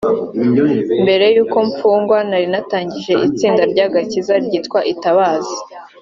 “Mbere yuko mfungwa nari natangije itsinda ry’agakiza ryitwa Itabaza